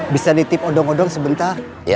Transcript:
bisa ditipu dong sebentar ya